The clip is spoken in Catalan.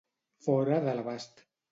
Fora de l'abast.